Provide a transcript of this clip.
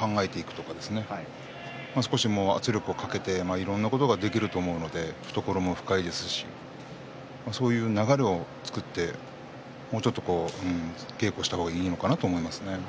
もう少し圧力をかけていろんなことができると思うので懐も深いですしそういう流れを作ってもうちょっと稽古した方がいいのかなと思いますね。